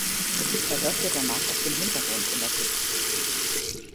Er wirkte danach aus dem Hintergrund in der Politik.